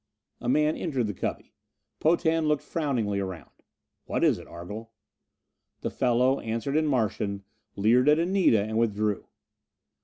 A man entered the cubby. Potan looked frowningly around. "What is it, Argle?" The fellow answered in Martian, leered at Anita and withdrew.